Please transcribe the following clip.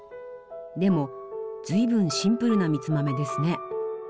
でも随分シンプルな蜜豆ですね。